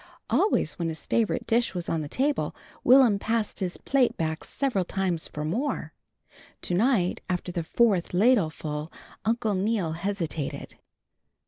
Always when his favorite dish was on the table, Will'm passed his plate back several times for more. To night after the fourth ladleful Uncle Neal hesitated.